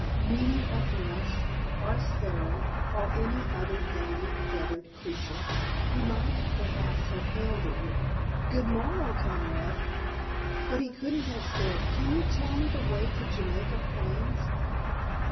Meeting a thrush, or sparrow, or any other dainty feathered creature, he might perhaps have hailed it with, "Good morrow, comrade;" but he couldn't have said, "Can you tell me the way to Jamaica Plains?"